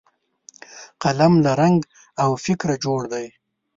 قلم له رنګ او فکره جوړ دی